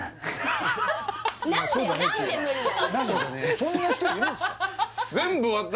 そんな人いるんすか？